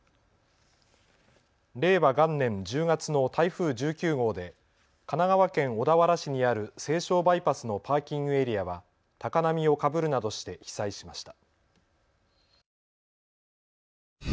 令和元年１０月の台風１９号で神奈川県小田原市にある西湘バイパスのパーキングエリアは高波をかぶるなどして被災しました。